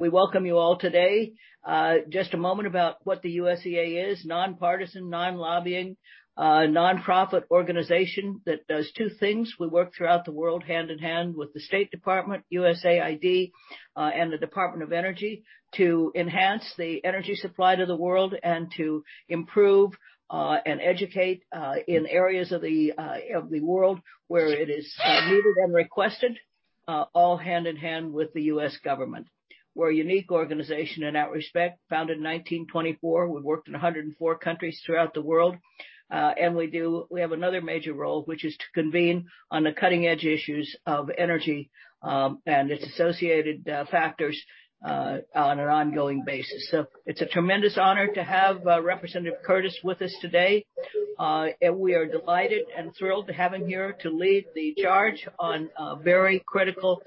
We welcome you all today. Just a moment about what the USEA is: non-partisan, non-lobbying, nonprofit organization that does two things. We work throughout the world hand-in-hand with the State Department, USAID, and the Department of Energy to enhance the energy supply to the world and to improve, and educate, in areas of the, of the world where it is needed and requested, all hand-in-hand with the U.S. government. We're a unique organization in that respect. Founded in 1924. We've worked in 104 countries throughout the world. We have another major role, which is to convene on the cutting edge issues of energy, and its associated, factors, on an ongoing basis. It's a tremendous honor to have Representative Curtis with us today. We are delighted and thrilled to have him here to lead the charge on a very critical,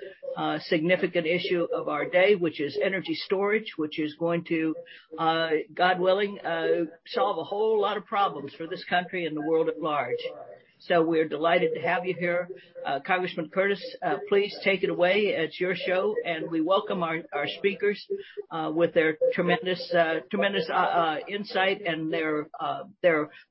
significant issue of our day, which is energy storage, which is going to, God willing, solve a whole lot of problems for this country and the world at large. We're delighted to have you here. Congressman Curtis, please take it away. It's your show, and we welcome our speakers with their tremendous insight and their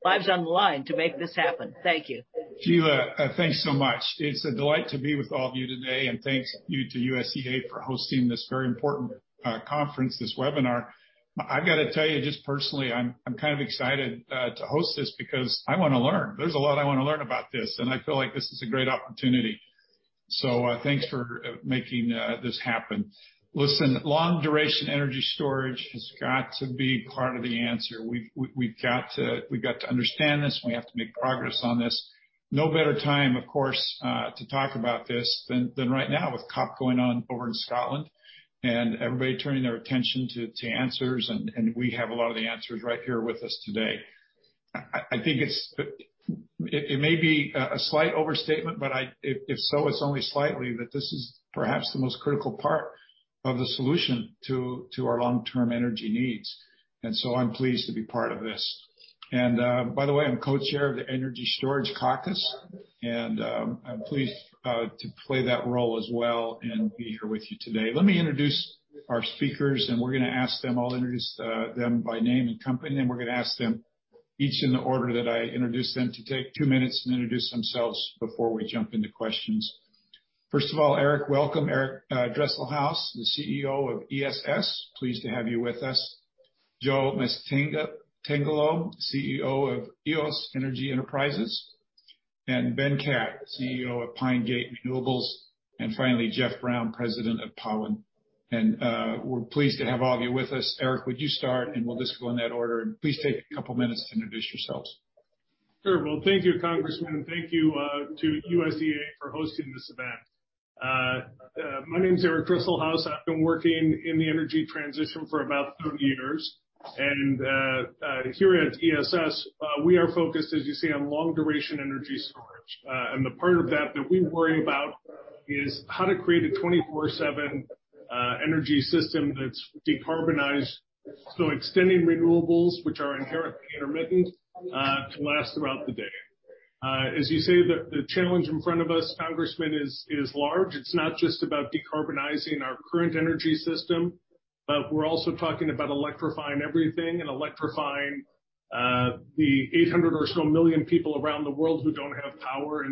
lives on the line to make this happen. Thank you. Sheila, thanks so much. It's a delight to be with all of you today. Thank you to USEA for hosting this very important conference, this webinar. I've got to tell you, just personally, I'm kind of excited to host this because I wanna learn. There's a lot I wanna learn about this, and I feel like this is a great opportunity. Thanks for making this happen. Listen, long-duration energy storage has got to be part of the answer. We've got to understand this. We have to make progress on this. No better time, of course, to talk about this than right now with COP going on over in Scotland and everybody turning their attention to answers. We have a lot of the answers right here with us today. I think it's. It may be a slight overstatement, but if so, it's only slightly that this is perhaps the most critical part of the solution to our long-term energy needs. I'm pleased to be part of this. By the way, I'm co-chair of the Energy Storage Caucus, and I'm pleased to play that role as well and be here with you today. Let me introduce our speakers. I'll introduce them by name and company, and then we're gonna ask them, each in the order that I introduce them, to take two minutes and introduce themselves before we jump into questions. First of all, Eric. Welcome, Eric Dresselhuys, the CEO of ESS. Pleased to have you with us. Joe Mastrangelo, CEO of Eos Energy Enterprises. Ben Catt, CEO of Pine Gate Renewables. Finally, Geoff Brown, President of Powin. We're pleased to have all of you with us. Eric, would you start? We'll just go in that order. Please take a couple minutes to introduce yourselves. Sure. Well, thank you, Congressman, and thank you to USEA for hosting this event. My name is Eric Dresselhuys. I've been working in the energy transition for about 30 years. Here at ESS, we are focused, as you say, on long-duration energy storage. The part of that that we worry about is how to create a 24/7 energy system that's decarbonized, so extending renewables, which are inherently intermittent, to last throughout the day. As you say, the challenge in front of us, Congressman, is large. It's not just about decarbonizing our current energy system, but we're also talking about electrifying everything and electrifying the 800 or so million people around the world who don't have power.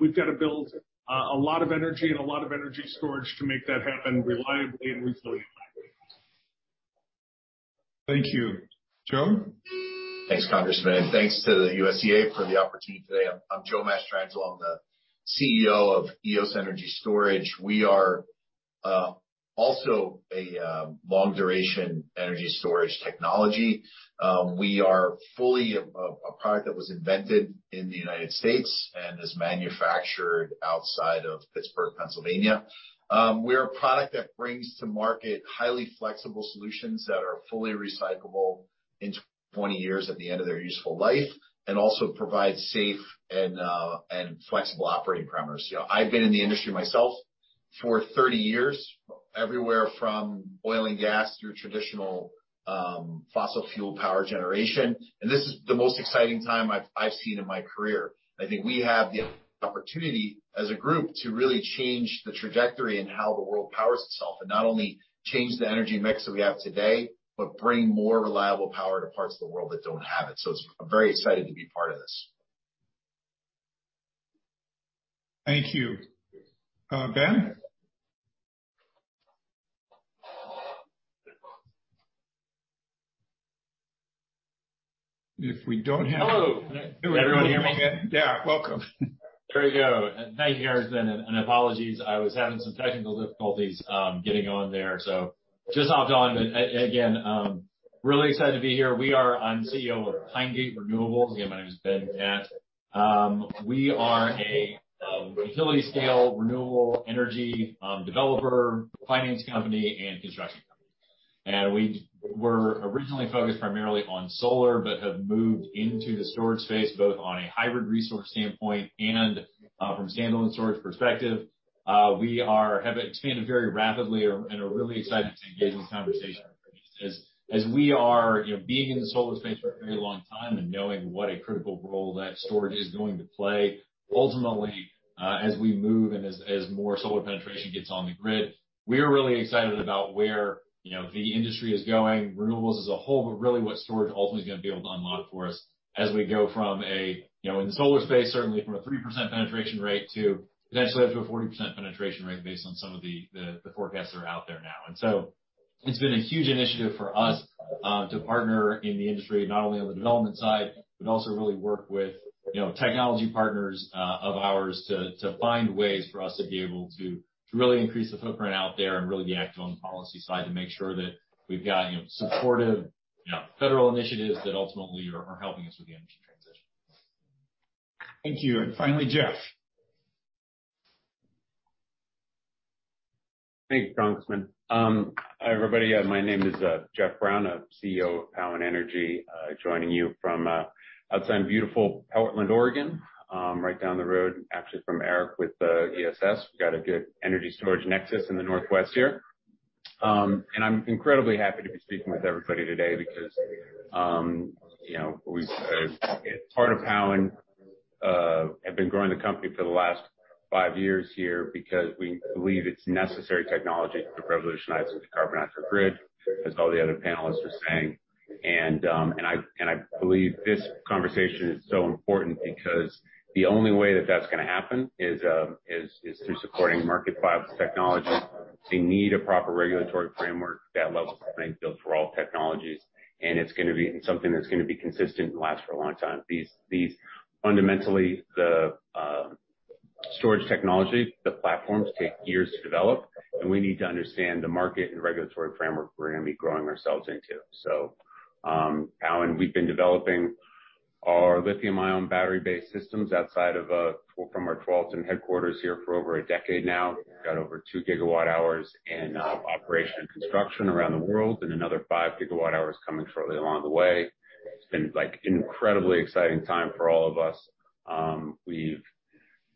We've got to build a lot of energy and a lot of energy storage to make that happen reliably and resiliently. Thank you. Joe? Thanks, Congressman. Thanks to the USEA for the opportunity today. I'm Joe Mastrangelo. I'm the CEO of Eos Energy Enterprises. We are also a long-duration energy storage technology. We are fully a product that was invented in the United States and is manufactured outside of Pittsburgh, Pennsylvania. We're a product that brings to market highly flexible solutions that are fully recyclable in 20 years at the end of their useful life and also provide safe and flexible operating parameters. You know, I've been in the industry myself for 30 years, everywhere from oil and gas to your traditional fossil fuel power generation. This is the most exciting time I've seen in my career. I think we have the opportunity as a group to really change the trajectory in how the world powers itself, and not only change the energy mix that we have today, but bring more reliable power to parts of the world that don't have it. I'm very excited to be part of this. Thank you. Ben? If we don't have. Hello. Can everyone hear me okay? Yeah. Welcome. There you go. Apologies, I was having some technical difficulties getting on there, so just hopped on. Again, really excited to be here. I'm CEO of Pine Gate Renewables. Again, my name is Ben Catt. We are a utility-scale renewable energy developer, finance company and construction company. We were originally focused primarily on solar, but have moved into the storage space, both on a hybrid resource standpoint and from a standalone storage perspective. We have expanded very rapidly and are really excited to engage in this conversation. As we are, you know, being in the solar space for a very long time and knowing what a critical role that storage is going to play, ultimately, as we move and as more solar penetration gets on the grid, we are really excited about where, you know, the industry is going, renewables as a whole, but really what storage ultimately is going to be able to unlock for us as we go from a, you know, in the solar space, certainly from a 3% penetration rate to potentially up to a 40% penetration rate based on some of the forecasts that are out there now. It's been a huge initiative for us to partner in the industry, not only on the development side, but also really work with, you know, technology partners of ours to find ways for us to be able to really increase the footprint out there and really be active on the policy side to make sure that we've got, you know, supportive, you know, federal initiatives that ultimately are helping us with the energy transition. Thank you. Finally, Geoff. Thanks, Congressman. Hi, everybody. My name is Geoff Brown, CEO of Powin Energy. Joining you from outside beautiful Portland, Oregon. Right down the road, actually, from Eric with ESS. We've got a good energy storage nexus in the Northwest here. I'm incredibly happy to be speaking with everybody today because, you know, we've, part of Powin, have been growing the company for the last five years here because we believe it's necessary technology to revolutionizing the carbon-free grid, as all the other panelists are saying. I believe this conversation is so important because the only way that that's gonna happen is through supporting market viable technology. You need a proper regulatory framework that levels the playing field for all technologies, and it's gonna be something that's gonna be consistent and last for a long time. These fundamentally the storage technology, the platforms take years to develop, and we need to understand the market and regulatory framework we're going to be growing ourselves into. At Powin, we've been developing our lithium-ion battery-based systems from our Tualatin headquarters here for over a decade now. Got over 2 GWh in operation and construction around the world and another 5 GWh coming shortly along the way. It's been, like, incredibly exciting time for all of us. We've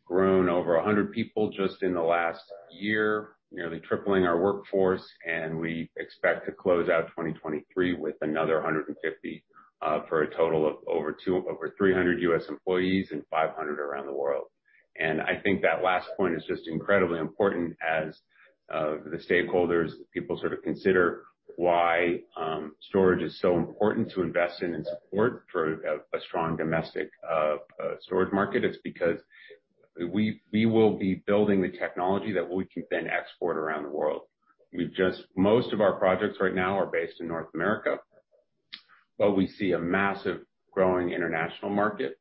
grown over 100 people just in the last year, nearly tripling our workforce, and we expect to close out 2023 with another 150, for a total of over 300 U.S. employees and 500 around the world. I think that last point is just incredibly important as the stakeholders, people sort of consider why storage is so important to invest in and support for a strong domestic storage market. It's because we will be building the technology that we can then export around the world. Most of our projects right now are based in North America, but we see a massive growing international market.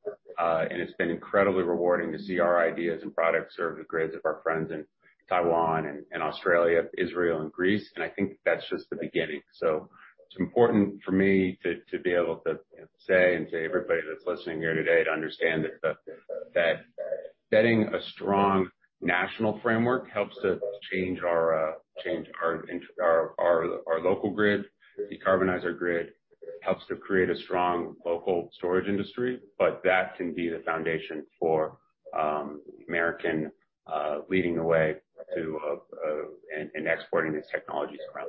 It's been incredibly rewarding to see our ideas and products serve the grids of our friends in Taiwan and Australia, Israel and Greece. I think that's just the beginning. It's important for me to be able to say to everybody that's listening here today to understand that setting a strong national framework helps to change our local grid, decarbonize our grid, helps to create a strong local storage industry. That can be the foundation for America leading the way to and exporting these technologies around.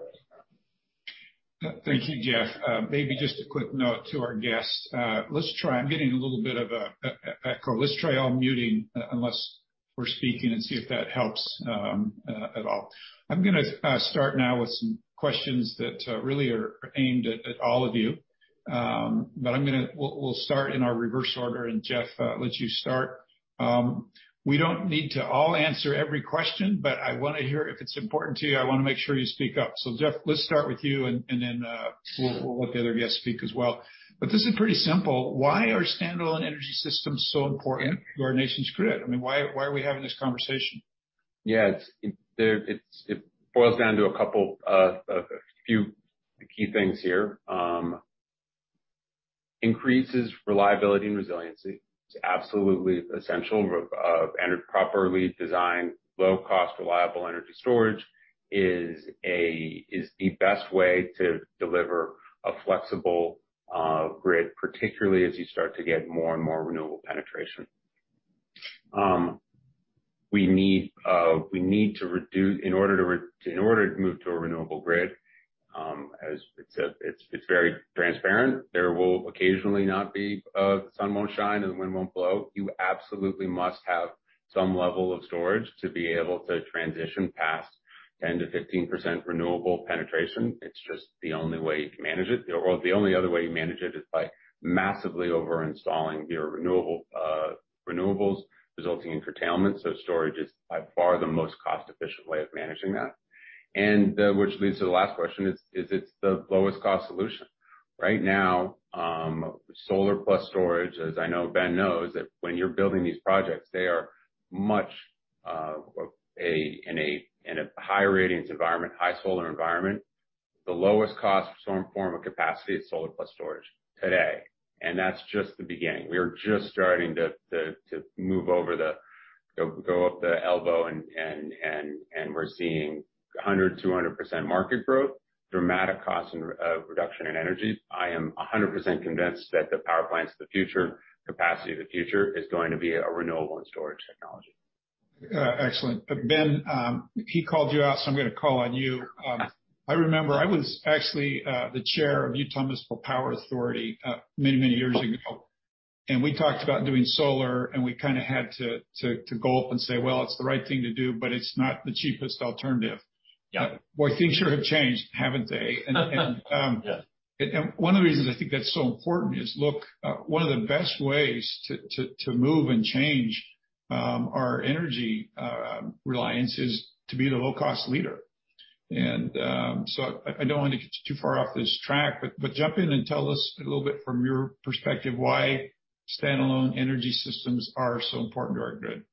Thank you, Geoff. Maybe just a quick note to our guests. I'm getting a little bit of an echo. Let's try unmuting unless we're speaking and see if that helps at all. I'm gonna start now with some questions that really are aimed at all of you. We'll start in our reverse order. Geoff, I'll let you start. We don't need to all answer every question, but I wanna hear if it's important to you. I wanna make sure you speak up. Geoff, let's start with you, and then we'll let the other guests speak as well. This is pretty simple. Why are standalone energy systems so important to our nation's grid? I mean, why are we having this conversation? Yeah, it boils down to a couple, few key things here. It increases reliability and resiliency. It's absolutely essential. A properly designed, low cost, reliable energy storage is the best way to deliver a flexible grid, particularly as you start to get more and more renewable penetration. We need in order to move to a renewable grid, as it's very transparent. There will occasionally not be, the sun won't shine and the wind won't blow. You absolutely must have some level of storage to be able to transition past 10%-15% renewable penetration. It's just the only way you can manage it. The only other way you manage it is by massively over installing your renewables, resulting in curtailment. Storage is by far the most cost-efficient way of managing that. Which leads to the last question is it's the lowest cost solution. Right now, solar plus storage, as I know Ben knows, that when you're building these projects, they are much in a high radiance environment, high solar environment, the lowest cost form of capacity is solar plus storage today. That's just the beginning. We are just starting to go up the elbow and we're seeing 100%-200% market growth, dramatic cost and reduction in energy. I am 100% convinced that the power plants of the future, capacity of the future is going to be a renewable and storage technology. Excellent. Ben, he called you out, so I'm gonna call on you. I remember I was actually the chair of Utah Municipal Power Agency, many years ago, and we talked about doing solar, and we kinda had to go up and say, "Well, it's the right thing to do, but it's not the cheapest alternative. Yeah. Boy, things sure have changed, haven't they? Yeah. One of the reasons I think that's so important is, look, one of the best ways to move and change our energy reliance is to be the low-cost leader. So I don't want to get too far off this track, but jump in and tell us a little bit from your perspective why standalone energy systems are so important to our grid.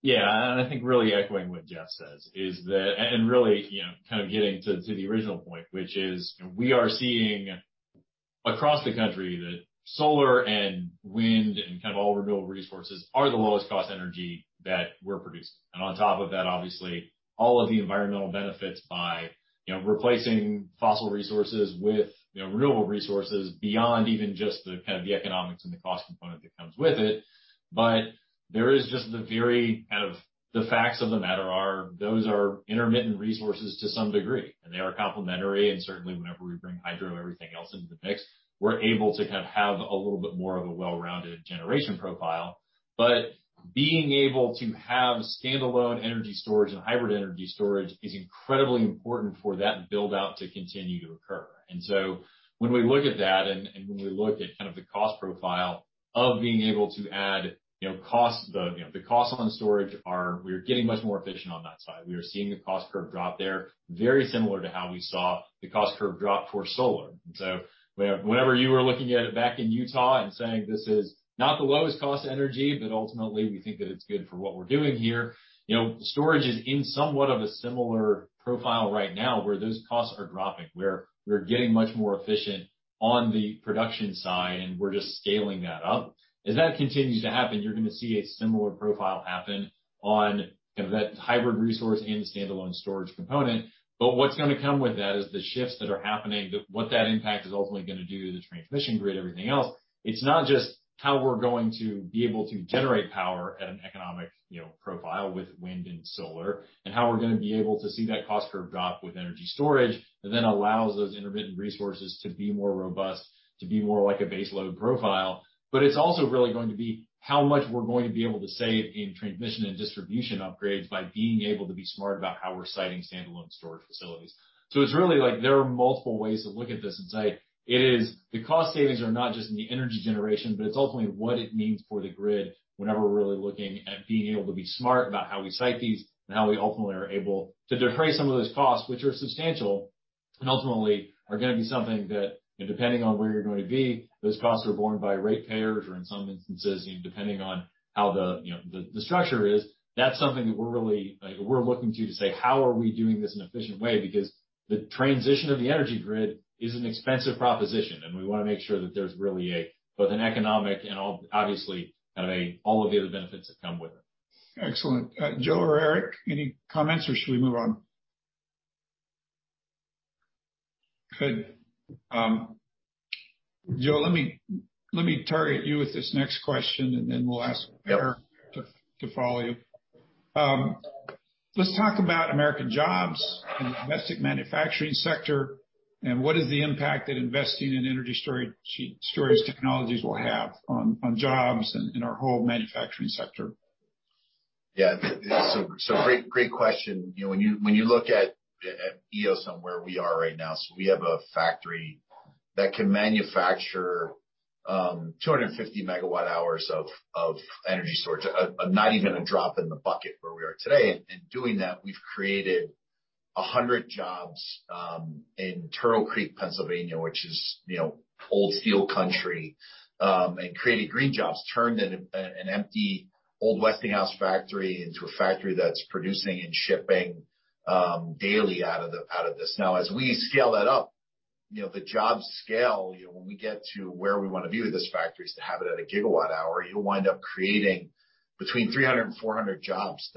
Yeah. I think really echoing what Geoff says is that really, you know, kind of getting to the original point, which is we are seeing across the country that solar and wind and kind of all renewable resources are the lowest cost energy that we're producing. On top of that, obviously, all of the environmental benefits by, you know, replacing fossil resources with, you know, renewable resources beyond even just the, kind of the economics and the cost component that comes with it. There is just the very kind of the facts of the matter are those are intermittent resources to some degree, and they are complementary, and certainly whenever we bring hydro and everything else into the mix, we're able to kind of have a little bit more of a well-rounded generation profile. Being able to have standalone energy storage and hybrid energy storage is incredibly important for that build-out to continue to occur. When we look at that and when we look at kind of the cost profile of being able to add, you know, the costs on storage are. We're getting much more efficient on that side. We are seeing the cost curve drop there, very similar to how we saw the cost curve drop for solar. Whenever you were looking at it back in Utah and saying, "This is not the lowest cost energy, but ultimately we think that it's good for what we're doing here," you know, storage is in somewhat of a similar profile right now, where those costs are dropping, where we're getting much more efficient on the production side, and we're just scaling that up. As that continues to happen, you're gonna see a similar profile happen on kind of that hybrid resource and the standalone storage component. What's gonna come with that is the shifts that are happening, what that impact is ultimately gonna do to the transmission grid, everything else. It's not just how we're going to be able to generate power at an economic, you know, profile with wind and solar and how we're gonna be able to see that cost curve drop with energy storage, that then allows those intermittent resources to be more robust, to be more like a base load profile. It's also really going to be how much we're going to be able to save in transmission and distribution upgrades by being able to be smart about how we're siting standalone storage facilities. It's really like there are multiple ways to look at this and say it is the cost savings are not just in the energy generation, but it's ultimately what it means for the grid whenever we're really looking at being able to be smart about how we site these and how we ultimately are able to defray some of those costs, which are substantial, and ultimately are gonna be something that, you know, depending on where you're going to be, those costs are borne by ratepayers or in some instances, you know, depending on how the structure is. That's something that we're really, like, looking to say, "How are we doing this in an efficient way?" Because the transition of the energy grid is an expensive proposition, and we wanna make sure that there's really a both an economic and obviously, kind of a, all of the other benefits that come with it. Excellent. Joe or Eric, any comments, or should we move on? Good. Joe, let me target you with this next question, and then we'll ask Eric to follow you. Let's talk about American jobs and the domestic manufacturing sector, and what is the impact that investing in energy storage technologies will have on jobs and our whole manufacturing sector? Great question. You know, when you look at Eos and where we are right now, we have a factory that can manufacture 250 MWh of energy storage, not even a drop in the bucket where we are today. In doing that, we've created 100 jobs in Turtle Creek, Pennsylvania, which is, you know, old steel country, and created green jobs, turned an empty old Westinghouse factory into a factory that's producing and shipping daily out of this. Now, as we scale that up, you know, the jobs scale, you know, when we get to where we wanna be with this factory is to have it at a gigawatt-hour, you'll wind up creating between 300 and 400 jobs,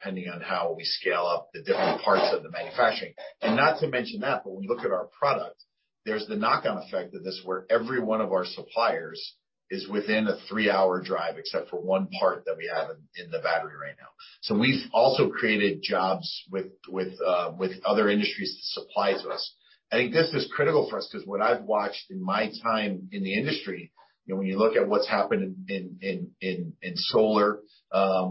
depending on how we scale up the different parts of the manufacturing. Not to mention that, but when you look at our product, there's the knock-on effect of this, where every one of our suppliers is within a three hour drive, except for one part that we have in the battery right now. We've also created jobs with other industries that supply to us. I think this is critical for us 'cause what I've watched in my time in the industry, you know, when you look at what's happened in solar,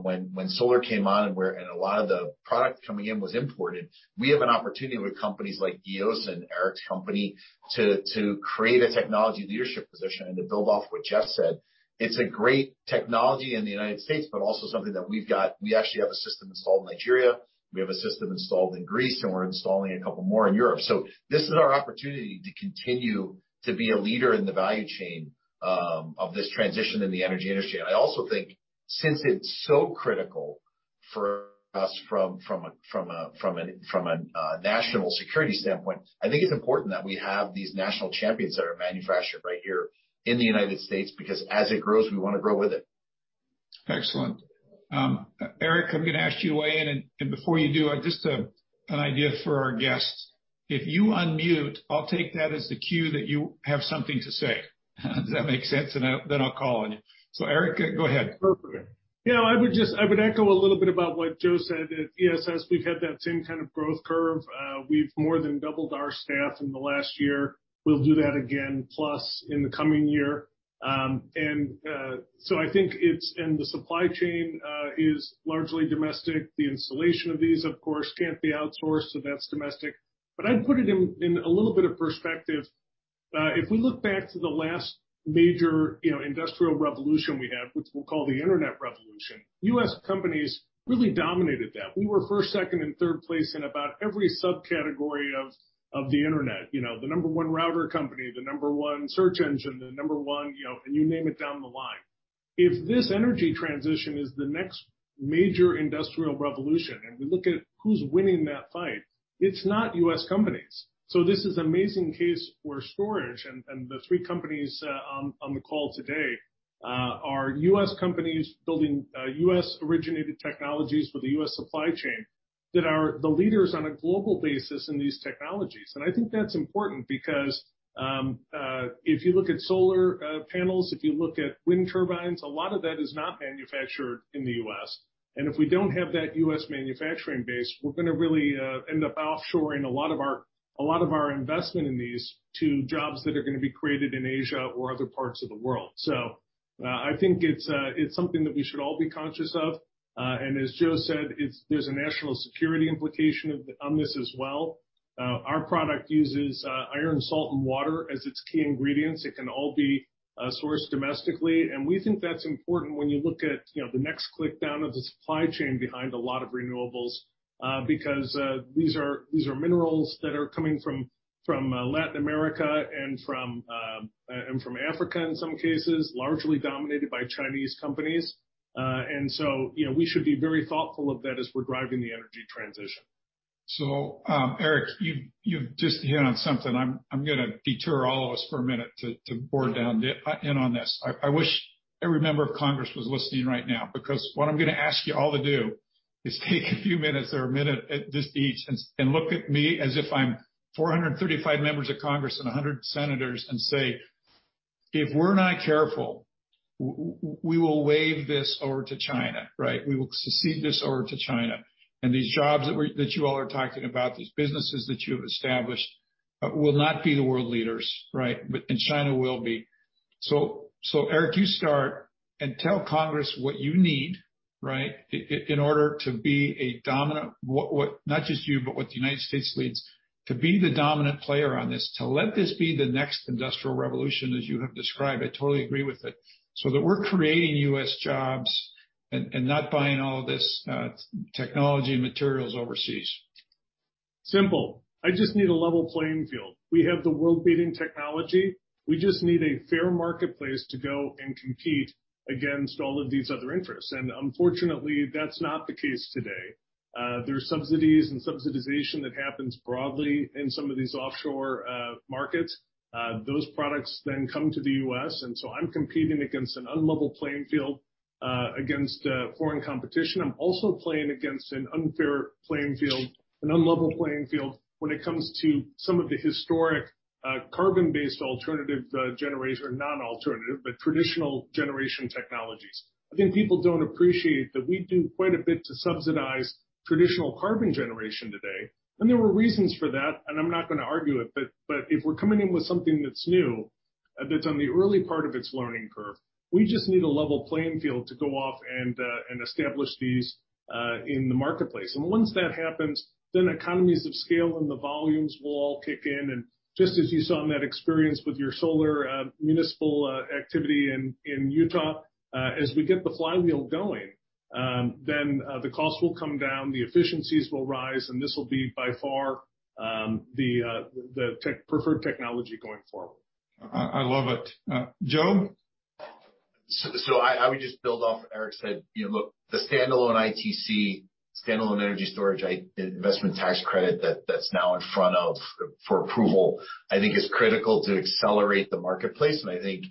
when solar came on, and a lot of the product coming in was imported. We have an opportunity with companies like Eos and Eric's company to create a technology leadership position and to build off what Geoff said. It's a great technology in the United States, but also something that we've got. We actually have a system installed in Nigeria, we have a system installed in Greece, and we're installing a couple more in Europe. This is our opportunity to continue to be a leader in the value chain of this transition in the energy industry. I also think, since it's so critical for us from a national security standpoint, I think it's important that we have these national champions that are manufactured right here in the United States, because as it grows, we wanna grow with it. Excellent. Eric, I'm gonna ask you to weigh in. Before you do, just an idea for our guests. If you unmute, I'll take that as the cue that you have something to say. Does that make sense? Then I'll call on you. Eric, go ahead. Perfect. Yeah, I would echo a little bit about what Joe said. At ESS, we've had that same kind of growth curve. We've more than doubled our staff in the last year. We'll do that again plus in the coming year. I think it's and the supply chain is largely domestic. The installation of these, of course, can't be outsourced, so that's domestic. I'd put it in a little bit of perspective. If we look back to the last major, you know, industrial revolution we had, which we'll call the Internet revolution, U.S. companies really dominated that. We were first, second, and third place in about every subcategory of the Internet. You know, the number one router company, the number one search engine, the number one, you know, and you name it down the line. If this energy transition is the next major industrial revolution, and we look at who's winning that fight, it's not U.S. companies. This is amazing case for storage. The three companies on the call today are U.S. companies building U.S.-originated technologies with a U.S. supply chain that are the leaders on a global basis in these technologies. I think that's important because if you look at solar panels, if you look at wind turbines, a lot of that is not manufactured in the U.S. If we don't have that U.S. manufacturing base, we're gonna really end up offshoring a lot of our investment in these to jobs that are gonna be created in Asia or other parts of the world. I think it's something that we should all be conscious of. As Joe said, there's a national security implication on this as well. Our product uses iron, salt, and water as its key ingredients. It can all be sourced domestically. We think that's important when you look at, you know, the next click down of the supply chain behind a lot of renewables, because these are minerals that are coming from Latin America and from Africa, in some cases, largely dominated by Chinese companies. We should be very thoughtful of that as we're driving the energy transition. Eric, you've just hit on something. I'm gonna detour all of us for a minute to bore down in on this. I wish every member of Congress was listening right now because what I'm gonna ask you all to do is take a few minutes or a minute at this each and look at me as if I'm 435 members of Congress and 100 senators and say, "If we're not careful, we will wave this over to China, right? We will cede this over to China. And these jobs that you all are talking about, these businesses that you have established, will not be the world leaders, right? And China will be." Eric, you start and tell Congress what you need, right, in order to be a dominant. What, not just you, but what the United States needs to be the dominant player on this, to let this be the next industrial revolution as you have described. I totally agree with it, so that we're creating U.S. jobs and not buying all this technology and materials overseas. Simple. I just need a level playing field. We have the world-leading technology. We just need a fair marketplace to go and compete against all of these other interests. Unfortunately, that's not the case today. There's subsidies and subsidization that happens broadly in some of these offshore markets. Those products then come to the U.S. I'm competing against an unlevel playing field against foreign competition. I'm also playing against an unfair playing field, an unlevel playing field when it comes to some of the historic carbon-based alternative generation, non-alternative, but traditional generation technologies. I think people don't appreciate that we do quite a bit to subsidize traditional carbon generation today. There were reasons for that, and I'm not gonna argue it. If we're coming in with something that's new, that's on the early part of its learning curve, we just need a level playing field to go off and establish these in the marketplace. Once that happens, then economies of scale and the volumes will all kick in. Just as you saw in that experience with your solar municipal activity in Utah, as we get the flywheel going, then the cost will come down, the efficiencies will rise, and this will be by far the preferred technology going forward. I love it. Joe? I would just build off what Eric said. You know, look, the standalone ITC, standalone energy storage investment tax credit that's now in front of FERC for approval, I think is critical to accelerate the marketplace. I think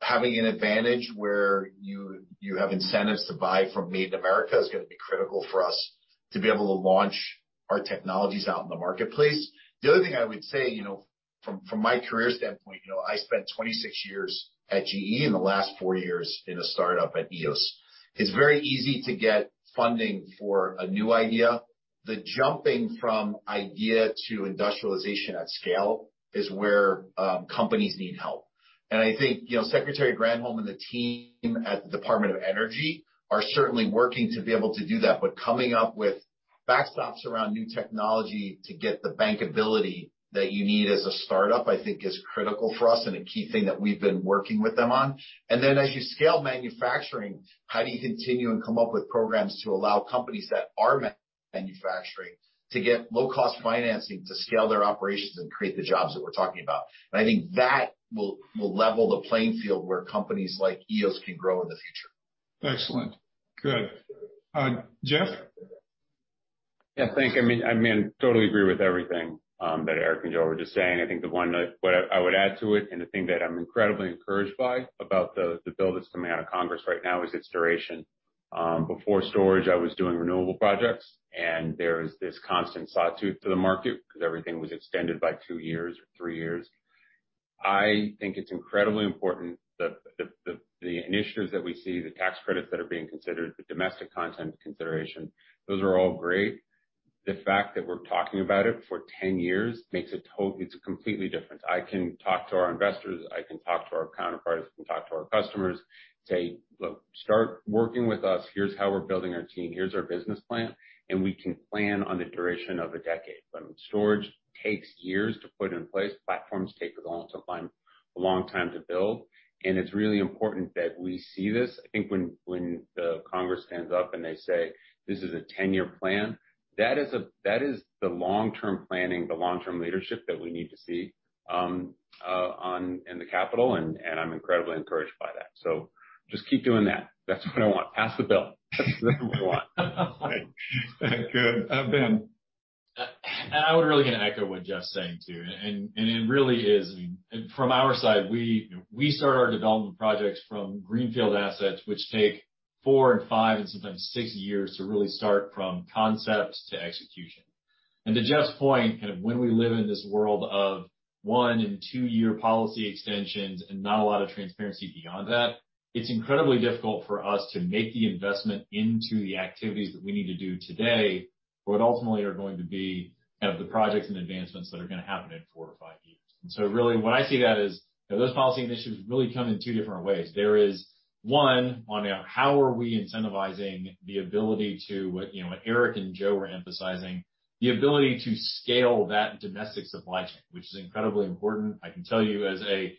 having an advantage where you have incentives to buy from Made in America is gonna be critical for us to be able to launch our technologies out in the marketplace. The other thing I would say, you know, from my career standpoint, you know, I spent 26 years at GE and the last four years in a startup at Eos. It's very easy to get funding for a new idea. The jumping from idea to industrialization at scale is where companies need help. I think, you know, Secretary Granholm and the team at the Department of Energy are certainly working to be able to do that. Coming up with backstops around new technology to get the bankability that you need as a startup, I think is critical for us and a key thing that we've been working with them on. As you scale manufacturing, how do you continue and come up with programs to allow companies that are manufacturing to get low-cost financing to scale their operations and create the jobs that we're talking about? I think that will level the playing field where companies like Eos can grow in the future. Excellent. Good. Geoff? Yeah, thanks. I mean, I totally agree with everything that Eric and Joe were just saying. I think the one thing that I would add to it, and the thing that I'm incredibly encouraged by about the bill that's coming out of Congress right now, is its duration. Before storage, I was doing renewable projects, and there is this constant sawtooth to the market 'cause everything was extended by two years or three years. I think it's incredibly important that the initiatives that we see, the tax credits that are being considered, the domestic content consideration, those are all great. The fact that we're talking about it for 10 years makes it completely different. I can talk to our investors, I can talk to our counterparts, I can talk to our customers, say, "Look, start working with us. Here's how we're building our team. Here's our business plan," and we can plan on the duration of a decade. I mean, storage takes years to put in place. Platforms take a long time to build, and it's really important that we see this. I think when the Congress stands up and they say, "This is a 10 year plan," that is the long-term planning, the long-term leadership that we need to see on in the Capitol, and I'm incredibly encouraged by that. So just keep doing that. That's what I want. Pass the bill. That's what we want. Good. Ben. I would really echo what Geoff's saying too. It really is. I mean, from our side, we start our development projects from greenfield assets, which take four and five and sometimes six years to really start from concept to execution. To Geoff's point, kind of when we live in this world of one and two year policy extensions and not a lot of transparency beyond that, it's incredibly difficult for us to make the investment into the activities that we need to do today for what ultimately are going to be kind of the projects and advancements that are gonna happen in four or five years. Really what I see that is, you know, those policy initiatives really come in two different ways. There is one on how are we incentivizing the ability to what, you know, what Eric and Joe were emphasizing, the ability to scale that domestic supply chain, which is incredibly important. I can tell you as a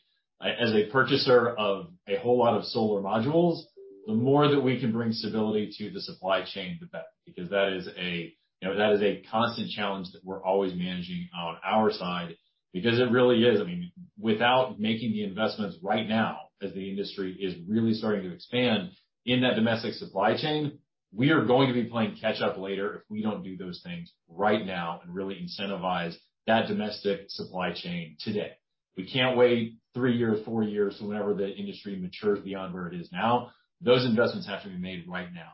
purchaser of a whole lot of solar modules, the more that we can bring stability to the supply chain, the better, because that is a, you know, that is a constant challenge that we're always managing on our side. It really is, I mean, without making the investments right now as the industry is really starting to expand in that domestic supply chain, we are going to be playing catch up later if we don't do those things right now and really incentivize that domestic supply chain today. We can't wait three years, four years, whenever the industry matures beyond where it is now. Those investments have to be made right now.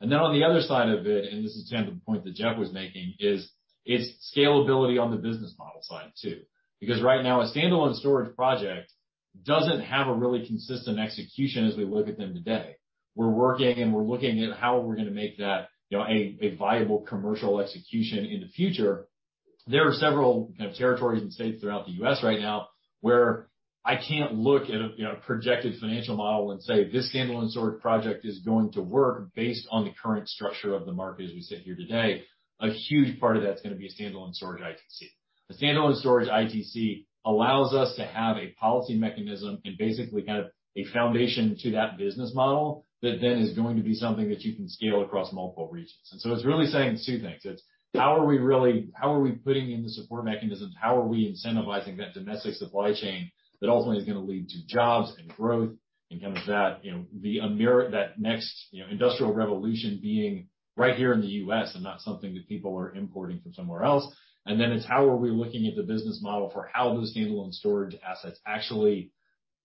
Then on the other side of it, and this is kind of the point that Geoff was making, is, it's scalability on the business model side too. Because right now, a standalone storage project doesn't have a really consistent execution as we look at them today. We're working and we're looking at how we're gonna make that, you know, a viable commercial execution in the future. There are several kind of territories and states throughout the U.S. right now where I can't look at a, you know, projected financial model and say, "This standalone storage project is going to work based on the current structure of the market as we sit here today." A huge part of that's gonna be standalone storage ITC. The standalone storage ITC allows us to have a policy mechanism and basically kind of a foundation to that business model that then is going to be something that you can scale across multiple regions. It's really saying two things. It's how are we putting in the support mechanisms? How are we incentivizing that domestic supply chain that ultimately is gonna lead to jobs and growth and kind of that, you know, that next, you know, industrial revolution being right here in the U.S. and not something that people are importing from somewhere else. It's how are we looking at the business model for how those standalone storage assets actually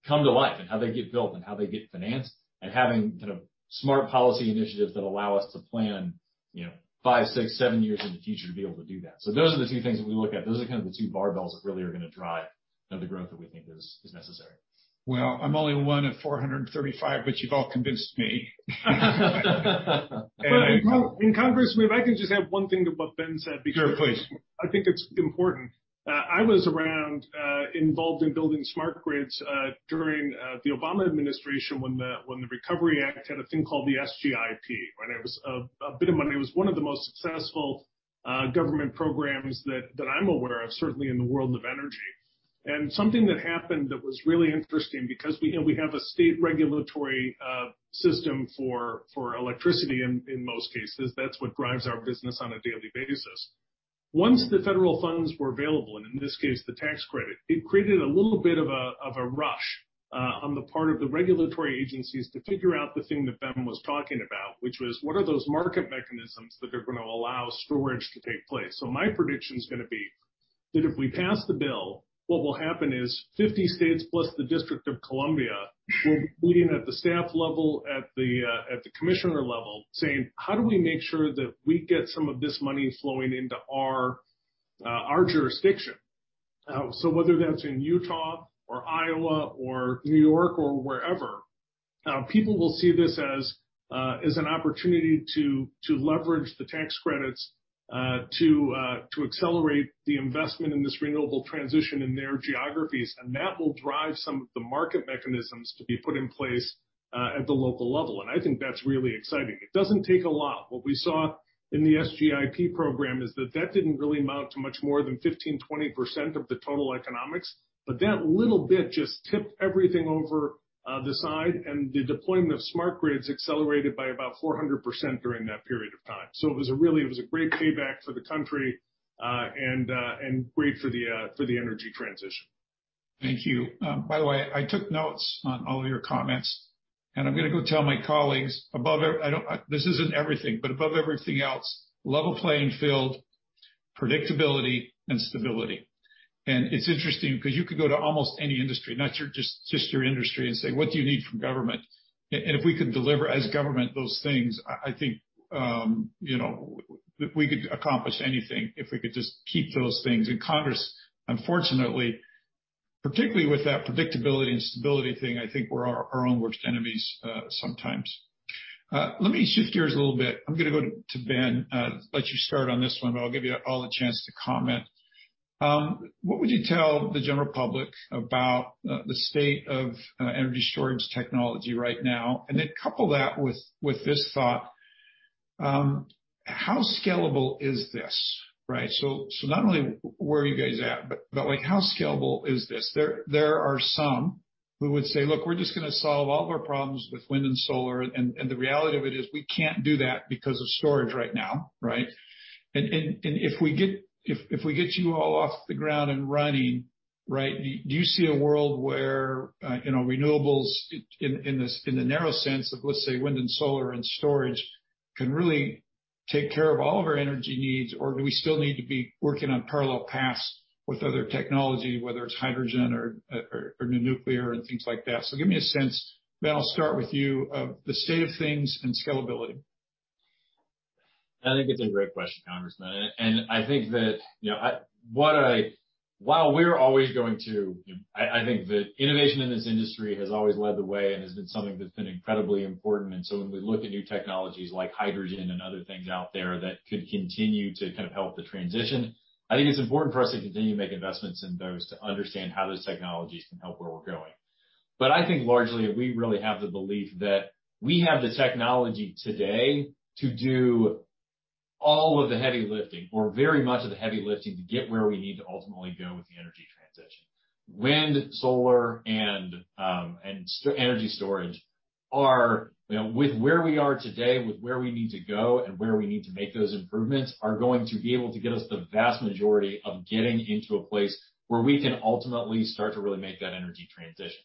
come to life and how they get built and how they get financed, and having kind of smart policy initiatives that allow us to plan, you know, five, six, seven years in the future to be able to do that. Those are the two things that we look at. Those are kind of the two barbells that really are gonna drive the growth that we think is necessary. Well, I'm only one of 435, but you've all convinced me. In Congress, if I can just add one thing to what Ben said because. Sure, please. I think it's important. I was around, involved in building smart grids, during the Obama administration when the Recovery Act had a thing called the SGIP, and it was a bit of money. It was one of the most successful government programs that I'm aware of, certainly in the world of energy. Something that happened that was really interesting because we, you know, we have a state regulatory system for electricity in most cases. That's what drives our business on a daily basis. Once the federal funds were available, and in this case, the tax credit, it created a little bit of a rush on the part of the regulatory agencies to figure out the thing that Ben was talking about, which was what are those market mechanisms that are gonna allow storage to take place? My prediction is gonna be that if we pass the bill, what will happen is 50 states plus the District of Columbia will be leading at the staff level, at the commissioner level, saying, "How do we make sure that we get some of this money flowing into our jurisdiction?" Whether that's in Utah or Iowa or New York or wherever, people will see this as an opportunity to leverage the tax credits to accelerate the investment in this renewable transition in their geographies, and that will drive some of the market mechanisms to be put in place at the local level. I think that's really exciting. It doesn't take a lot. What we saw in the SGIP program is that that didn't really amount to much more than 15%-20% of the total economics. That little bit just tipped everything over the side, and the deployment of smart grids accelerated by about 400% during that period of time. It was a great payback for the country, and great for the energy transition. Thank you. By the way, I took notes on all of your comments, and I'm gonna go tell my colleagues. This isn't everything, but above everything else, level playing field, predictability and stability. It's interesting because you could go to almost any industry, just your industry, and say, "What do you need from government?" And if we could deliver as government those things, I think, you know, we could accomplish anything if we could just keep those things. Congress, unfortunately, particularly with that predictability and stability thing, I think we're our own worst enemies, sometimes. Let me shift gears a little bit. I'm gonna go to Ben. Let you start on this one, but I'll give you all the chance to comment. What would you tell the general public about the state of energy storage technology right now? Then couple that with this thought, how scalable is this, right? Not only where are you guys at, but like how scalable is this? There are some who would say, "Look, we're just gonna solve all of our problems with wind and solar." The reality of it is we can't do that because of storage right now, right? If we get you all off the ground and running, right, do you see a world where, you know, renewables in the narrow sense of, let's say, wind and solar and storage can really take care of all of our energy needs? do we still need to be working on parallel paths with other technology, whether it's hydrogen or new nuclear and things like that? Give me a sense, Ben, I'll start with you, of the state of things and scalability. I think it's a great question, Congressman, and I think that, you know, you know, I think that innovation in this industry has always led the way and has been something that's been incredibly important. When we look at new technologies like hydrogen and other things out there that could continue to kind of help the transition, I think it's important for us to continue to make investments in those to understand how those technologies can help where we're going. I think largely we really have the belief that we have the technology today to do all of the heavy lifting or very much of the heavy lifting to get where we need to ultimately go with the energy transition. Wind, solar, and energy storage are, you know, with where we are today, with where we need to go and where we need to make those improvements, are going to be able to get us the vast majority of getting into a place where we can ultimately start to really make that energy transition.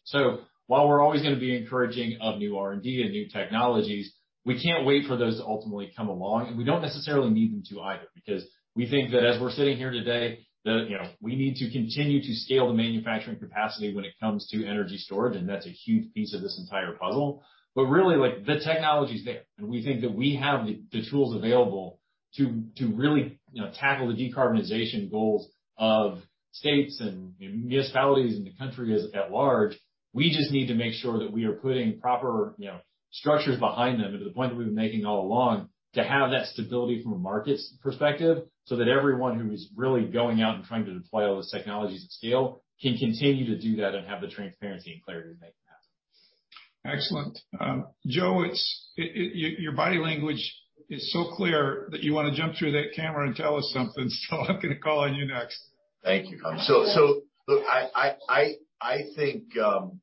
While we're always gonna be encouraging of new R&D and new technologies, we can't wait for those to ultimately come along, and we don't necessarily need them to either. Because we think that as we're sitting here today, you know, we need to continue to scale the manufacturing capacity when it comes to energy storage, and that's a huge piece of this entire puzzle. Really, like, the technology's there, and we think that we have the tools available to really, you know, tackle the decarbonization goals of states and municipalities and the country at large. We just need to make sure that we are putting proper, you know, structures behind them to the point that we've been making all along, to have that stability from a market's perspective, so that everyone who is really going out and trying to deploy all those technologies at scale can continue to do that and have the transparency and clarity to make it happen. Excellent. Joe, your body language is so clear that you wanna jump through that camera and tell us something, so I'm gonna call on you next. Thank you. Look, I think,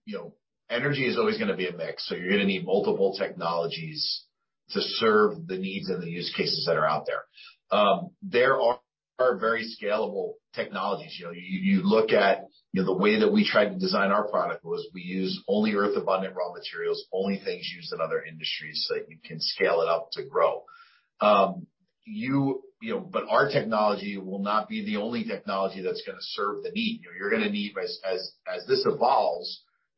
you know, energy is always gonna be a mix, so you're gonna need multiple technologies to serve the needs and the use cases that are out there. There are very scalable technologies. You know, you look at, you know, the way that we tried to design our product was we use only earth-abundant raw materials, only things used in other industries, so we can scale it up to grow. You know, our technology will not be the only technology that's gonna serve the need. You know,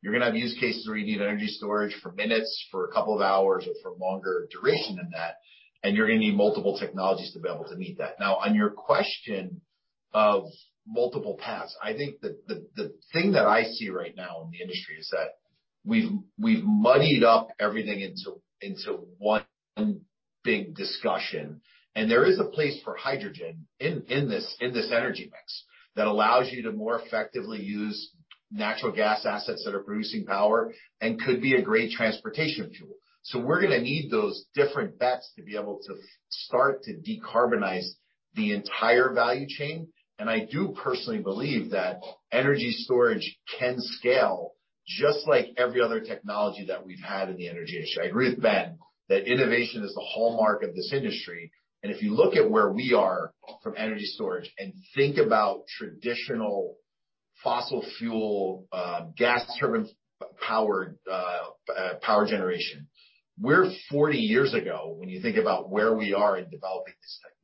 you're gonna need as this evolves, you're gonna have use cases where you need energy storage for minutes, for a couple of hours or for longer duration than that, and you're gonna need multiple technologies to be able to meet that. Now, on your question of multiple paths, I think the thing that I see right now in the industry is that we've muddied up everything into one big discussion. There is a place for hydrogen in this energy mix that allows you to more effectively use natural gas assets that are producing power and could be a great transportation fuel. We're gonna need those different bets to be able to start to decarbonize the entire value chain. I do personally believe that energy storage can scale just like every other technology that we've had in the energy industry. I agree with Ben that innovation is the hallmark of this industry, and if you look at where we are from energy storage and think about traditional fossil fuel, gas turbine powered, power generation, we're 40 years ago when you think about where we are in developing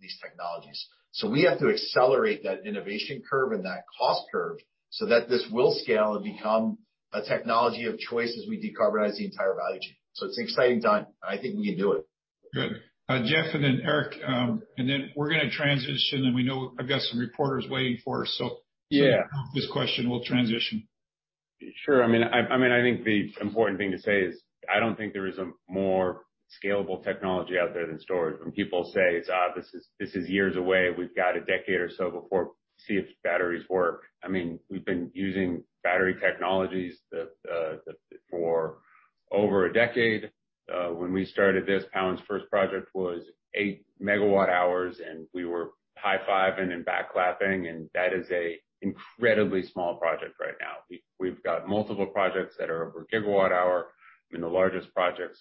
these technologies. We have to accelerate that innovation curve and that cost curve so that this will scale and become a technology of choice as we decarbonize the entire value chain. It's an exciting time, and I think we can do it. Good. Geoff and then Eric, and then we're gonna transition, and we know I've got some reporters waiting for us. Yeah. This question, we'll transition. Sure. I mean, I think the important thing to say is, I don't think there is a more scalable technology out there than storage. When people say, "It's this is years away. We've got a decade or so before to see if batteries work." I mean, we've been using battery technologies for over a decade. When we started this, Powin's first project was 8 MWh, and we were high-fiving and back-clapping, and that is an incredibly small project right now. We've got multiple projects that are over gigawatt-hour. I mean, the largest projects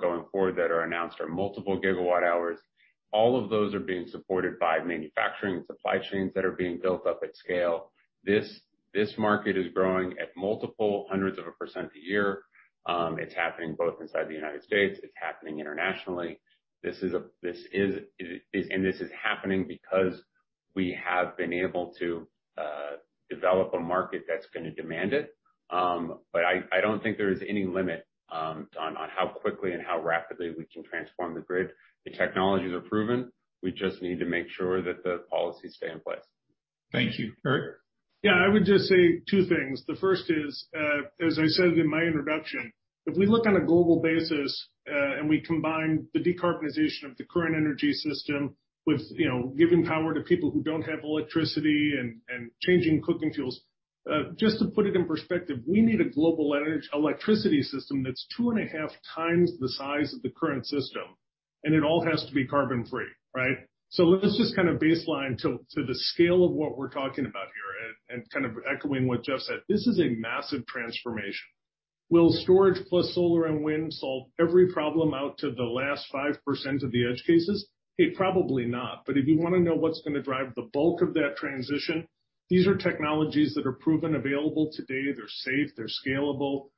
going forward that are announced are multiple gigawatt hours. All of those are being supported by manufacturing and supply chains that are being built up at scale. This market is growing at multiple hundreds of a percent a year. It's happening both inside the United States. It's happening internationally. This is happening because we have been able to develop a market that's gonna demand it. But I don't think there's any limit on how quickly and how rapidly we can transform the grid. The technologies are proven, we just need to make sure that the policies stay in place. Thank you. Eric? Yeah, I would just say two things. The first is, as I said in my introduction, if we look on a global basis, and we combine the decarbonization of the current energy system with, you know, giving power to people who don't have electricity and changing cooking fuels. Just to put it in perspective, we need a global electricity system that's two and a half times the size of the current system, and it all has to be carbon-free, right? Let's just kind of baseline to the scale of what we're talking about here and kind of echoing what Geoff said. This is a massive transformation. Will storage plus solar and wind solve every problem out to the last 5% of the edge cases? It probably not. If you wanna know what's gonna drive the bulk of that transition, these are technologies that are proven available today. They're safe, they're scalable.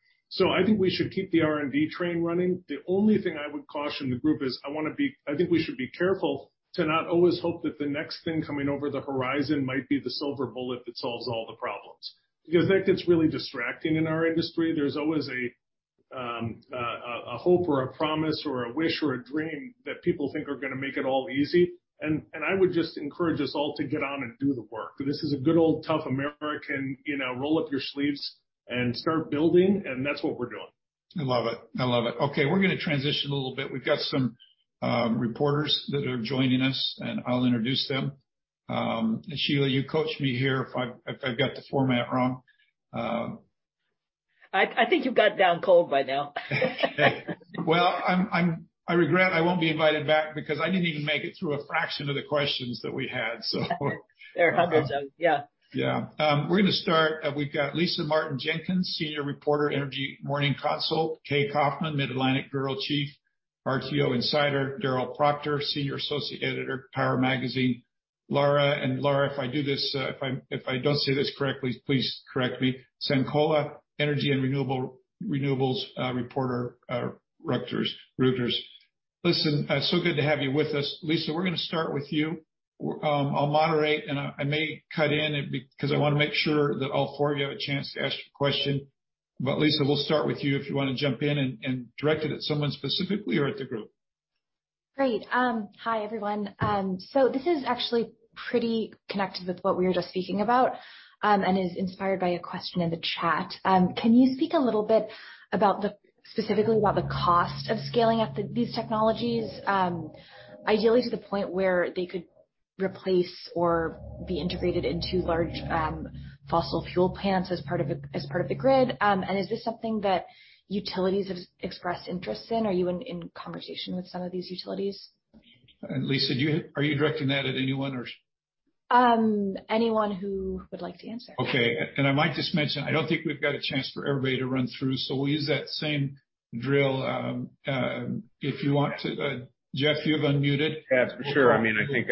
I think we should keep the R&D train running. The only thing I would caution the group is I think we should be careful to not always hope that the next thing coming over the horizon might be the silver bullet that solves all the problems. Because that gets really distracting in our industry. There's always a hope or a promise or a wish or a dream that people think are gonna make it all easy. I would just encourage us all to get on and do the work. This is a good old tough American, you know, roll up your sleeves and start building, and that's what we're doing. I love it. I love it. Okay, we're gonna transition a little bit. We've got some reporters that are joining us, and I'll introduce them. Sheila, you coach me here if I've got the format wrong. I think you've got it down cold by now. Well, I regret I won't be invited back because I didn't even make it through a fraction of the questions that we had, so. There are hundreds of them, yeah. Yeah. We're gonna start. We've got Lisa Martine Jenkins, Senior Reporter, Morning Consult. K Kaufmann, Mid-Atlantic Bureau Chief, RTO Insider. Darrell Proctor, Senior Associate Editor, Power magazine. Laura, and Laura, if I do this, if I don't say this correctly, please correct me. Sanicola, energy and renewables reporter at Reuters. Listen, so good to have you with us. Lisa, we're gonna start with you. I'll moderate, and I may cut in because I wanna make sure that all four of you have a chance to ask a question. Lisa, we'll start with you if you wanna jump in and direct it at someone specifically or at the group. Great. Hi, everyone. So this is actually pretty connected with what we were just speaking about, and is inspired by a question in the chat. Can you speak a little bit about specifically about the cost of scaling up these technologies? Ideally to the point where they could replace or be integrated into large, fossil fuel plants as part of the grid. Is this something that utilities have expressed interest in? Are you in conversation with some of these utilities? Lisa, are you directing that at anyone or? Anyone who would like to answer. Okay. I might just mention, I don't think we've got a chance for everybody to run through, so we'll use that same drill, if you want to. Geoff, you have unmuted. Yeah, for sure. I mean, I think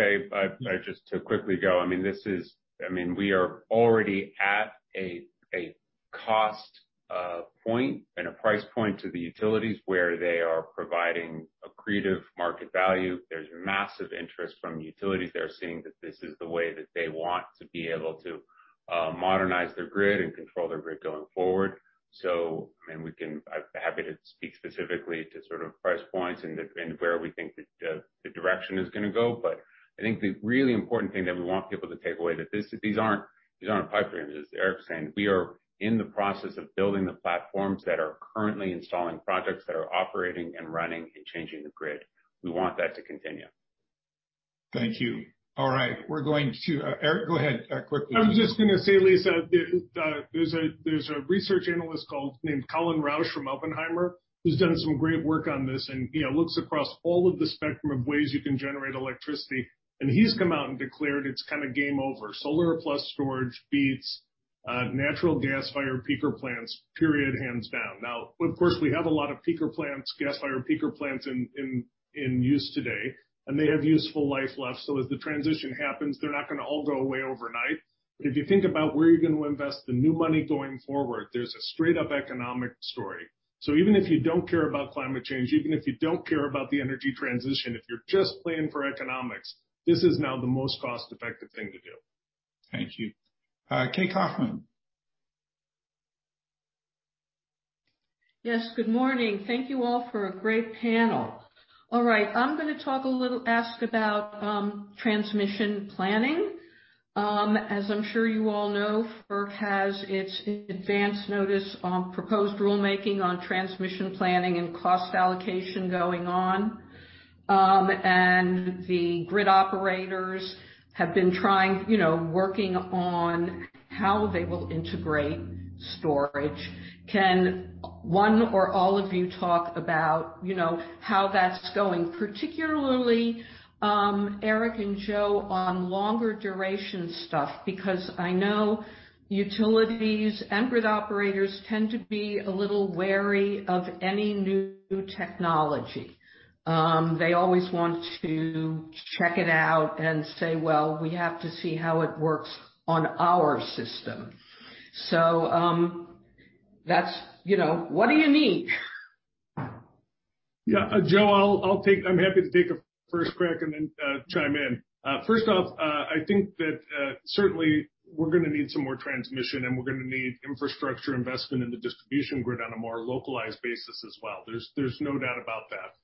just to quickly go, I mean, this is. I mean, we are already at a cost point and a price point to the utilities where they are providing accretive market value. There's massive interest from utilities. They're seeing that this is the way that they want to be able to modernize their grid and control their grid going forward. I mean, we can. I'm happy to speak specifically to sort of price points and and where we think the direction is gonna go. I think the really important thing that we want people to take away that these aren't pipe dreams, as Eric said. We are in the process of building the platforms that are currently installing projects that are operating and running and changing the grid. We want that to continue. Thank you. All right, Eric, go ahead, quickly. I'm just gonna say, Lisa, there's a research analyst named Colin Rusch from Oppenheimer, who's done some great work on this, and, you know, looks across all of the spectrum of ways you can generate electricity. He's come out and declared it's kind of game over. Solar plus storage beats natural gas-fired peaker plants, period, hands down. Now, of course, we have a lot of peaker plants, gas-fired peaker plants in use today, and they have useful life left. So as the transition happens, they're not gonna all go away overnight. If you think about where you're going to invest the new money going forward, there's a straight up economic story. Even if you don't care about climate change, even if you don't care about the energy transition, if you're just playing for economics, this is now the most cost-effective thing to do. Thank you, K. Kaufmann. Yes, good morning. Thank you all for a great panel. All right, I'm gonna ask about transmission planning. As I'm sure you all know, FERC has its advanced notice on proposed rulemaking on transmission planning and cost allocation going on. The grid operators have been trying, you know, working on how they will integrate storage. Can one or all of you talk about, you know, how that's going? Particularly, Eric and Joe, on longer duration stuff, because I know utilities and grid operators tend to be a little wary of any new technology. They always want to check it out and say, "Well, we have to see how it works on our system." That's, you know, what do you need? Yeah, Joe, I'll take. I'm happy to take a first crack and then chime in. First off, I think that certainly we're gonna need some more transmission, and we're gonna need infrastructure investment in the distribution grid on a more localized basis as well. There's no doubt about that.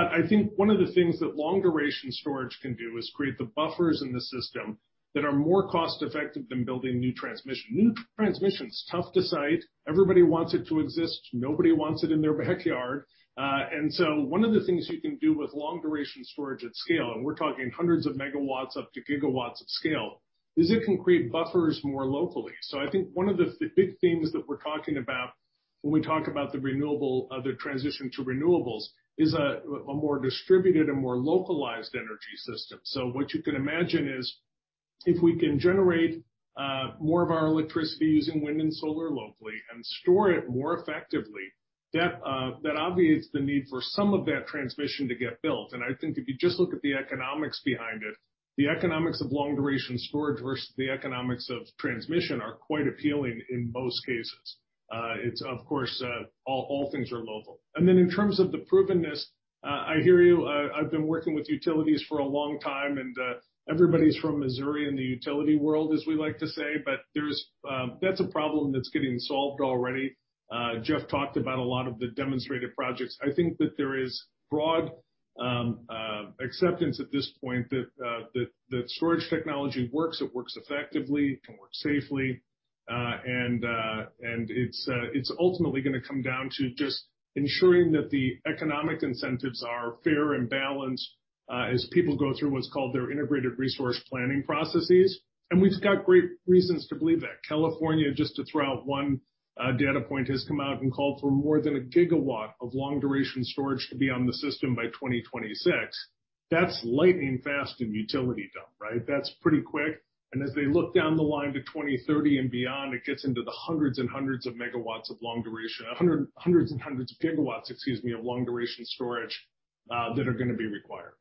I think one of the things that long-duration storage can do is create the buffers in the system that are more cost-effective than building new transmission. New transmission's tough to site. Everybody wants it to exist. Nobody wants it in their backyard. One of the things you can do with long-duration storage at scale, and we're talking hundreds of megawatts up to gigawatts of scale, is it can create buffers more locally. I think one of the big things that we're talking about when we talk about the transition to renewables is a more distributed and more localized energy system. What you can imagine is, if we can generate more of our electricity using wind and solar locally and store it more effectively, that obviates the need for some of that transmission to get built. I think if you just look at the economics behind it, the economics of long-duration storage versus the economics of transmission are quite appealing in most cases. It's of course all things are local. Then in terms of the proven-ness, I hear you. I've been working with utilities for a long time, and everybody's from Missouri in the utility world, as we like to say, but that's a problem that's getting solved already. Geoff talked about a lot of the demonstrated projects. I think that there is broad acceptance at this point that storage technology works, it works effectively, it can work safely. It's ultimately gonna come down to just ensuring that the economic incentives are fair and balanced as people go through what's called their Integrated Resource Planning processes. We've got great reasons to believe that. California, just to throw out one data point, has come out and called for more than a gigawatt of long-duration storage to be on the system by 2026. That's lightning fast in utilitydom, right? That's pretty quick. As they look down the line to 2030 and beyond, it gets into the hundreds and hundreds of megawatts of long duration. Hundreds and hundreds of gigawatts, excuse me, of long-duration storage that are gonna be required.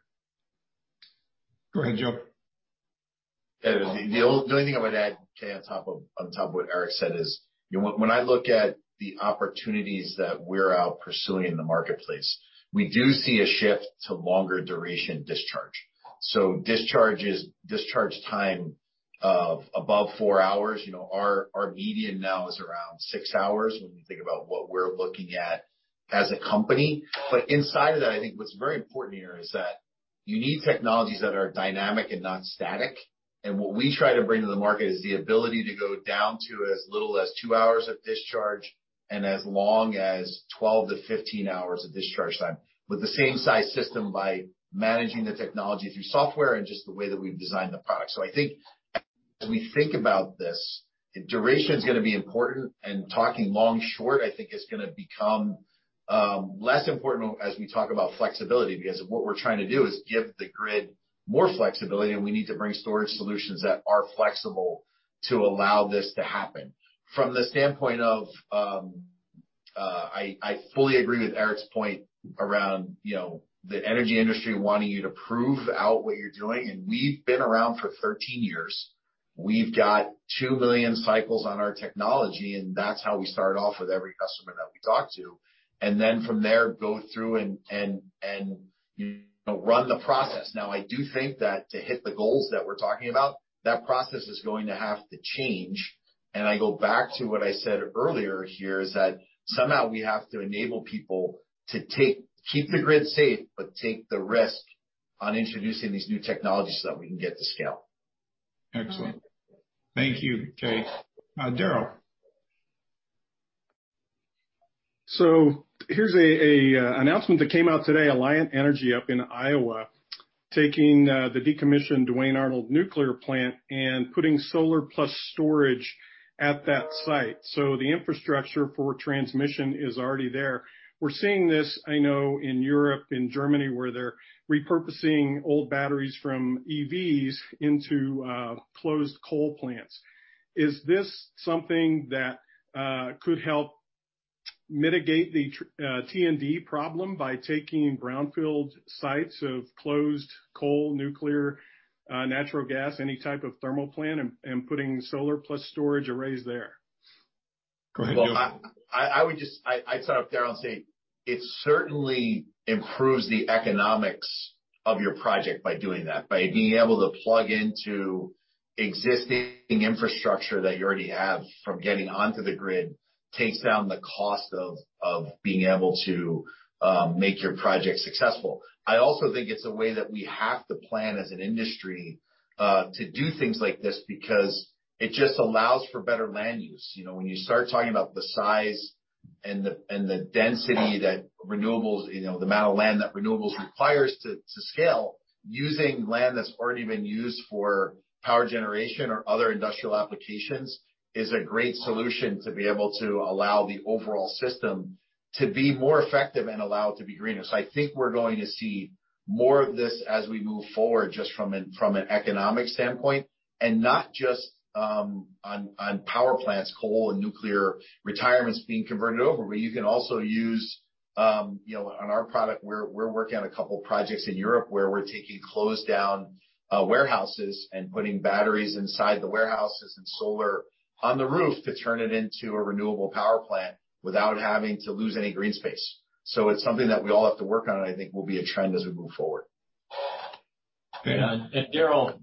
Go ahead, Joe. The only thing I would add, K., on top of what Eric said is, you know, when I look at the opportunities that we're out pursuing in the marketplace, we do see a shift to longer duration discharge. Discharge is discharge time of above four hours. You know, our median now is around six hours when we think about what we're looking at as a company. Inside of that, I think what's very important here is that you need technologies that are dynamic and non-static. What we try to bring to the market is the ability to go down to as little as two hours of discharge and as long as 12-15 hours of discharge time, with the same size system by managing the technology through software and just the way that we've designed the product. I think when we think about this, duration's gonna be important, and talking long/short, I think is gonna become less important as we talk about flexibility. Because what we're trying to do is give the grid more flexibility, and we need to bring storage solutions that are flexible to allow this to happen. From the standpoint of, I fully agree with Eric's point around, you know, the energy industry wanting you to prove out what you're doing. We've been around for 13 years. We've got 2 million cycles on our technology, and that's how we start off with every customer that we talk to. From there, go through and you know, run the process. Now, I do think that to hit the goals that we're talking about, that process is going to have to change. I go back to what I said earlier here, is that somehow we have to enable people to keep the grid safe, but take the risk on introducing these new technologies so that we can get to scale. Excellent. Thank you, K. Darrell. Here's a announcement that came out today, Alliant Energy up in Iowa, taking the decommissioned Duane Arnold nuclear plant and putting solar plus storage at that site. The infrastructure for transmission is already there. We're seeing this, I know, in Europe, in Germany, where they're repurposing old batteries from EVs into closed coal plants. Is this something that could help mitigate the T&D problem by taking brownfield sites of closed coal, nuclear, natural gas, any type of thermal plant and putting solar plus storage arrays there? Go ahead, Joe. Well, I'd start off, Darrell, and say it certainly improves the economics of your project by doing that. By being able to plug into existing infrastructure that you already have from getting onto the grid takes down the cost of being able to make your project successful. I also think it's a way that we have to plan as an industry to do things like this because it just allows for better land use. You know, when you start talking about the size and the density that renewables, you know, the amount of land that renewables requires to scale, using land that's already been used for power generation or other industrial applications is a great solution to be able to allow the overall system to be more effective and allow it to be greener. I think we're going to see more of this as we move forward just from an economic standpoint, and not just on power plants, coal and nuclear retirements being converted over. You can also use you know on our product, we're working on a couple projects in Europe where we're taking closed down warehouses and putting batteries inside the warehouses and solar on the roof to turn it into a renewable power plant without having to lose any green space. It's something that we all have to work on, and I think will be a trend as we move forward. Darrell,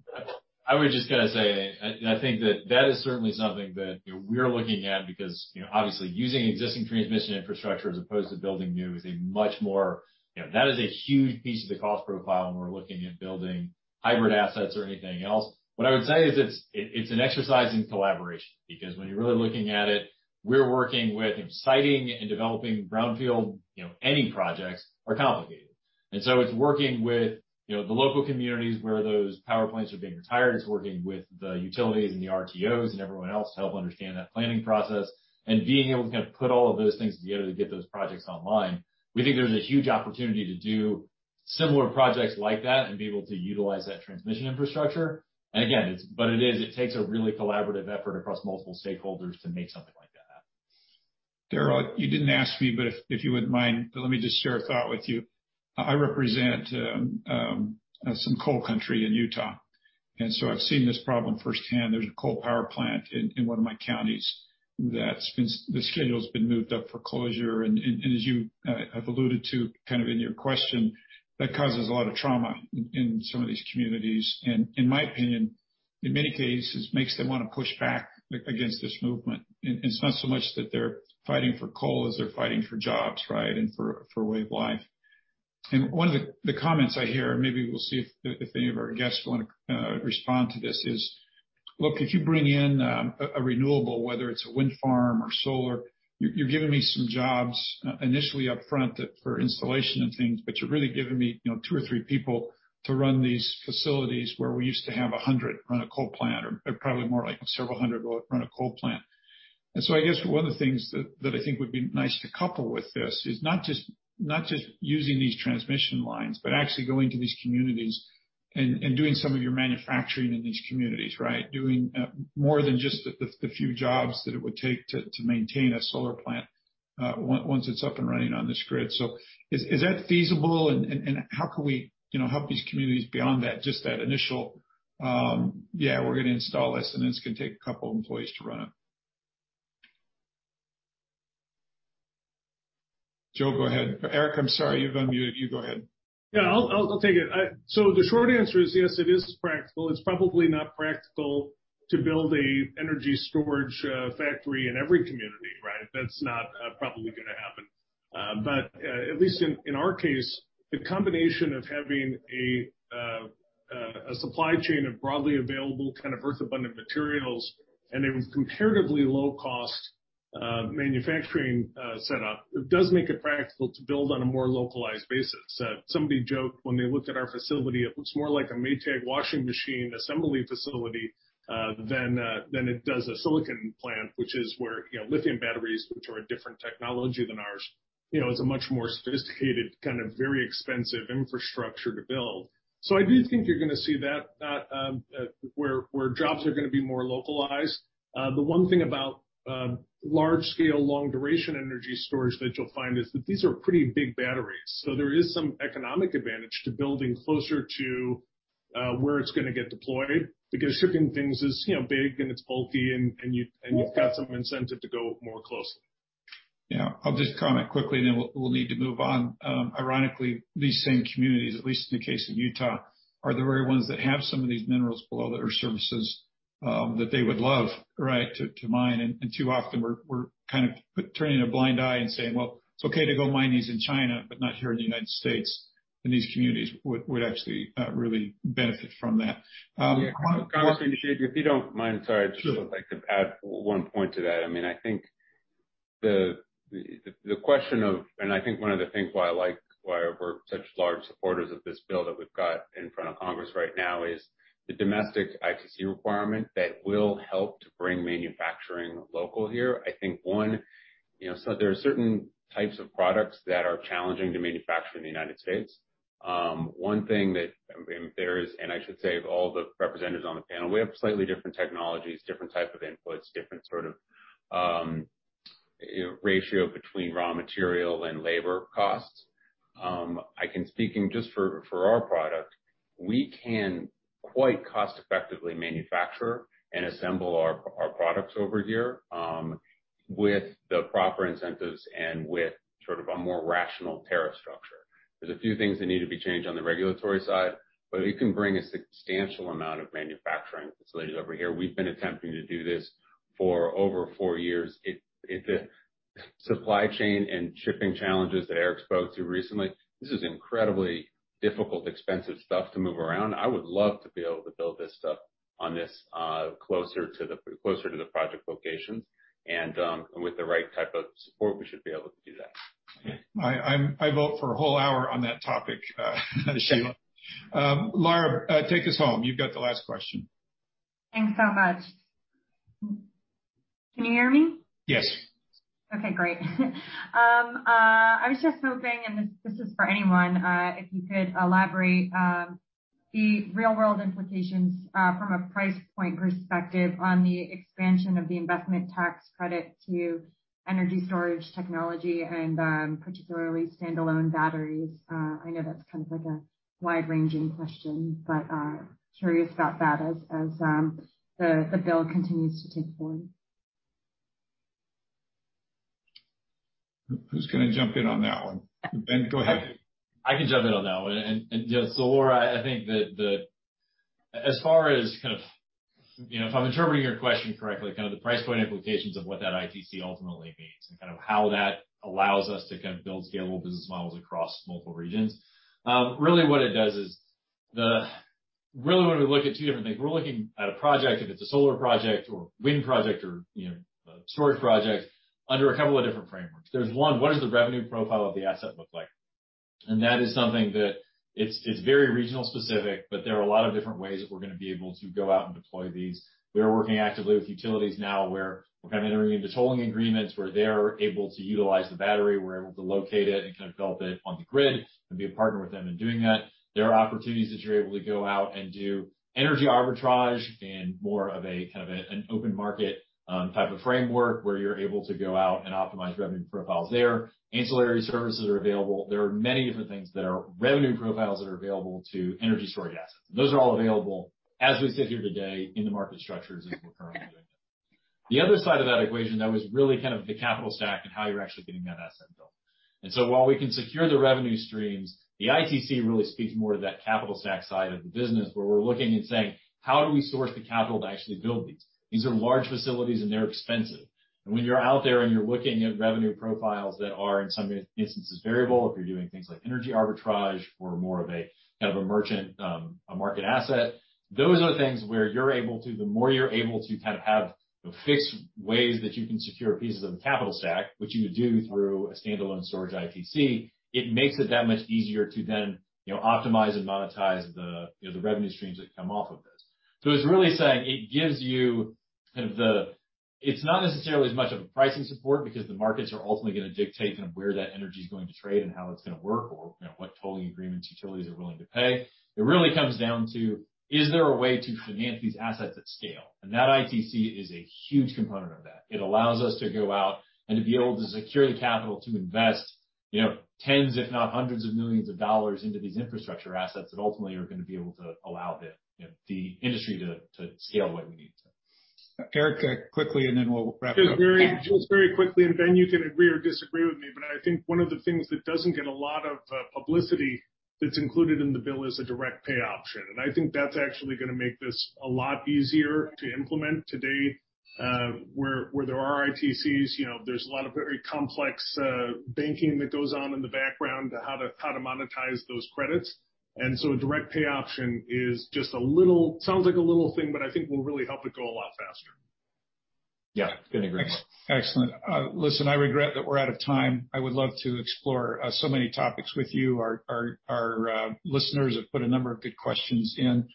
I would just kind of say, I think that that is certainly something that, you know, we're looking at because, you know, obviously using existing transmission infrastructure as opposed to building new is a much more. You know, that is a huge piece of the cost profile when we're looking at building hybrid assets or anything else. What I would say is it's an exercise in collaboration because when you're really looking at it, we're working with siting and developing brownfield, you know, any projects are complicated. It's working with, you know, the local communities where those power plants are being retired. It's working with the utilities and the RTOs and everyone else to help understand that planning process and being able to kind of put all of those things together to get those projects online. We think there's a huge opportunity to do similar projects like that and be able to utilize that transmission infrastructure. Again, but it is, it takes a really collaborative effort across multiple stakeholders to make something like that happen. Darrell, you didn't ask me, but if you wouldn't mind, let me just share a thought with you. I represent some coal country in Utah, and so I've seen this problem firsthand. There's a coal power plant in one of my counties, the schedule's been moved up for closure. As you have alluded to kind of in your question, that causes a lot of trauma in some of these communities. In my opinion, in many cases, makes them want to push back against this movement. It's not so much that they're fighting for coal as they're fighting for jobs, right? For a way of life. One of the comments I hear, maybe we'll see if any of our guests want to respond to this, is, look, if you bring in a renewable, whether it's a wind farm or solar, you're giving me some jobs initially up front that for installation and things, but you're really giving me, you know, two or three people to run these facilities where we used to have 100 run a coal plant or probably more like several hundred run a coal plant. I guess one of the things that I think would be nice to couple with this is not just using these transmission lines, but actually going to these communities and doing some of your manufacturing in these communities, right? Doing more than just the few jobs that it would take to maintain a solar plant once it's up and running on this grid. Is that feasible? How can we, you know, help these communities beyond that, just that initial, yeah, we're gonna install this, and it's gonna take a couple employees to run it. Joe, go ahead. Eric, I'm sorry. You've unmuted. You go ahead. Yeah, I'll take it. The short answer is yes, it is practical. It's probably not practical to build an energy storage factory in every community, right? That's not probably gonna happen. At least in our case, the combination of having a supply chain of broadly available kind of earth abundant materials and a comparatively low cost manufacturing setup, it does make it practical to build on a more localized basis. Somebody joked when they looked at our facility, it looks more like a Maytag washing machine assembly facility than it does a silicon plant, which is where you know, lithium batteries, which are a different technology than ours, you know, is a much more sophisticated, kind of, very expensive infrastructure to build. I do think you're gonna see that where jobs are gonna be more localized. The one thing about large scale, long duration energy storage that you'll find is that these are pretty big batteries. There is some economic advantage to building closer to where it's gonna get deployed because shipping things is, you know, big and it's bulky and you've got some incentive to go more closely. Yeah. I'll just comment quickly, and then we'll need to move on. Ironically, these same communities, at least in the case of Utah, are the very ones that have some of these minerals below the earth surfaces, that they would love, right, to mine. Too often we're kind of turning a blind eye and saying, "Well, it's okay to go mine these in China, but not here in the United States." These communities would actually really benefit from that. Yeah. Congressman, if you don't mind, sorry. Sure. I'd just like to add one point to that. I mean, I think one of the things why we're such large supporters of this bill that we've got in front of Congress right now is the domestic ITC requirement that will help to bring manufacturing local here. I think, you know, so there are certain types of products that are challenging to manufacture in the United States. One thing that, I mean, there is, and I should say of all the representatives on the panel, we have slightly different technologies, different type of inputs, different sort of, you know, ratio between raw material and labor costs. I can, speaking just for our product, we can quite cost effectively manufacture and assemble our products over here with the proper incentives and with sort of a more rational tariff structure. There's a few things that need to be changed on the regulatory side, but it can bring a substantial amount of manufacturing facilities over here. We've been attempting to do this for over four years. Supply chain and shipping challenges that Eric spoke to recently, this is incredibly difficult, expensive stuff to move around. I would love to be able to build this stuff closer to the project locations. With the right type of support, we should be able to do that. I vote for a whole hour on that topic, Sheila. Laura, take us home. You've got the last question. Thanks so much. Can you hear me? Yes. Okay, great. I was just hoping, and this is for anyone, if you could elaborate the real world implications from a price point perspective on the expansion of the investment tax credit to energy storage technology and particularly standalone batteries. I know that's kind of like a wide-ranging question, but curious about that as the bill continues to take form. Who's gonna jump in on that one? Ben, go ahead. I can jump in on that one. You know, so Laura, I think that as far as kind of, you know, if I'm interpreting your question correctly, kind of the price point implications of what that ITC ultimately means and kind of how that allows us to kind of build scalable business models across multiple regions. Really what it does is really when we look at two different things. We're looking at a project, if it's a solar project or wind project or, you know, a storage project under a couple of different frameworks. There's one, what does the revenue profile of the asset look like? That is something that it's very regional specific, but there are a lot of different ways that we're gonna be able to go out and deploy these. We are working actively with utilities now, where we're kind of entering into tolling agreements, where they're able to utilize the battery, we're able to locate it and kind of develop it on the grid and be a partner with them in doing that. There are opportunities that you're able to go out and do energy arbitrage and more of a kind of a, an open market, type of framework where you're able to go out and optimize revenue profiles there. Ancillary services are available. There are many different things that are revenue profiles that are available to energy storage assets. Those are all available as we sit here today in the market structures as we're currently doing them. The other side of that equation, that was really kind of the capital stack and how you're actually getting that asset built. While we can secure the revenue streams, the ITC really speaks more to that capital stack side of the business, where we're looking and saying, "How do we source the capital to actually build these?" These are large facilities, and they're expensive. When you're out there and you're looking at revenue profiles that are in some instances variable, if you're doing things like energy arbitrage or more of a kind of a merchant, a market asset, those are the things where you're able to—the more you're able to kind of have fixed ways that you can secure pieces of the capital stack, which you do through a standalone storage ITC, it makes it that much easier to then, you know, optimize and monetize the, you know, the revenue streams that come off of this. It's really saying it gives you kind of the... It's not necessarily as much of a pricing support because the markets are ultimately gonna dictate kind of where that energy is going to trade and how it's gonna work or, you know, what tolling agreements utilities are willing to pay. It really comes down to, is there a way to finance these assets at scale? That ITC is a huge component of that. It allows us to go out and to be able to secure the capital to invest, you know, $10s if not $100s of millions of dollars into these infrastructure assets that ultimately are gonna be able to allow the, you know, the industry to scale the way we need to. Eric, quickly, and then we'll wrap it up. Just very quickly, Ben, you can agree or disagree with me, but I think one of the things that doesn't get a lot of publicity that's included in the bill is a direct pay option. I think that's actually gonna make this a lot easier to implement. To date, where there are ITCs, you know, there's a lot of very complex banking that goes on in the background to how to monetize those credits. A direct pay option is just a little thing, sounds like a little thing, but I think will really help it go a lot faster. Yeah. Couldn't agree more. Excellent. Listen, I regret that we're out of time. I would love to explore so many topics with you. Our listeners have put a number of good questions in.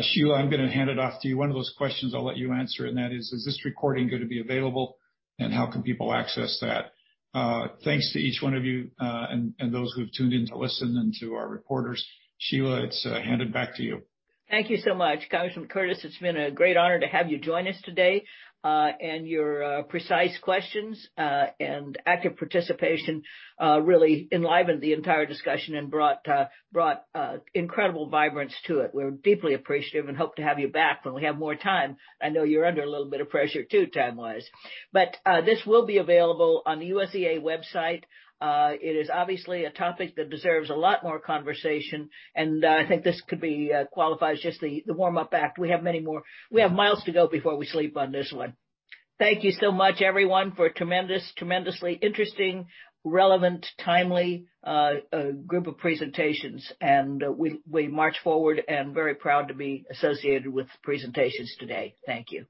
Sheila, I'm gonna hand it off to you. One of those questions I'll let you answer, and that is: Is this recording gonna be available, and how can people access that? Thanks to each one of you, and those who have tuned in to listen and to our reporters. Sheila, it's handed back to you. Thank you so much. Congressman Curtis, it's been a great honor to have you join us today. Your precise questions and active participation really enlivened the entire discussion and brought incredible vibrance to it. We're deeply appreciative and hope to have you back when we have more time. I know you're under a little bit of pressure, too, time-wise. This will be available on the USEA website. It is obviously a topic that deserves a lot more conversation, and I think this qualifies just the warm-up act. We have many more. We have miles to go before we sleep on this one. Thank you so much, everyone, for a tremendous, tremendously interesting, relevant, timely group of presentations. We march forward and very proud to be associated with the presentations today. Thank you.